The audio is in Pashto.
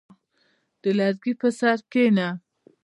• د لرګي پر سر کښېنه.